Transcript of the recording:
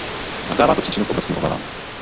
Zavdává to příčinu k obrovským obavám.